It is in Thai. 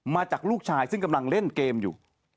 มาจากลูกชายซึ่งกำลังเล่นเกมอยู่